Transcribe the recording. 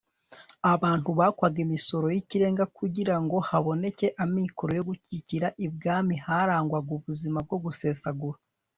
abantu bakwaga imisoro y'ikirenga kugira ngo haboneke amikoro yo gushyigikira ibwami harangwaga ubuzima bwo gusesagura